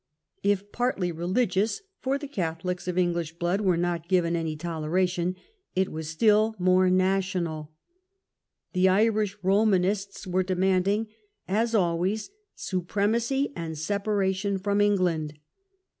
If partly religious (for the Catholics of English blood were not given any toleration), it was still more national. The Irish I I 1 d Romanists were demanding, as always, supre macy and separation from England.